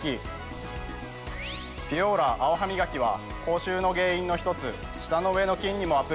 ピュオーラ泡ハミガキは口臭の原因の１つ舌の上の菌にもアプローチ。